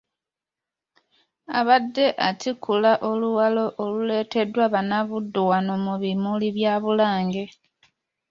Abadde atikkula Oluwalo oluleeteddwa bannabuddu wano mu bimuli bya Bulange.